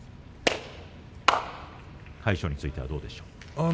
魁勝については、どうですか。